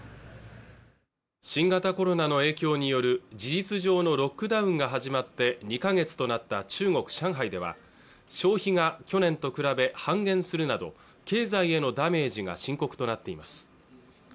新型コロナの影響による事実上のロックダウンが始まって２か月となった中国・上海では商品が去年と比べ半減するなど経済へのダメージが深刻となっています